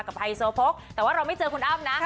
กับอายีโซโภคแต่ว่าเราไม่เจอคุณอ้ำนะ